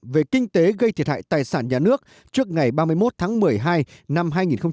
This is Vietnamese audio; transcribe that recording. về kinh tế gây thiệt hại tài sản nhà nước trước ngày ba mươi một tháng một mươi hai năm hai nghìn một mươi chín